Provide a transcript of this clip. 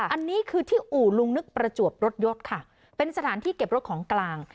อันนี้คือที่อู่ลุงนึกประจวบรถยศค่ะเป็นสถานที่เก็บรถของกลาง